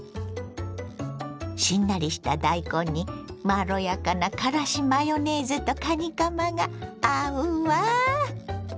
しんなりした大根にまろやかなからしマヨネーズとかにかまが合うわ。